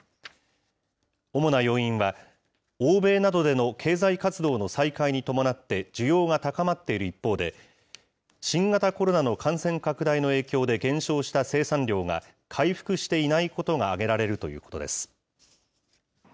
主な要因は、欧米などでの経済活動の再開に伴って需要が高まっている一方で、新型コロナの感染拡大の影響で減少した生産量が、回復していないことが挙げられるということです。